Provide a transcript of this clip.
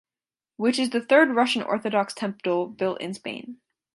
Which is the third Russian Orthodox temple built in Spain.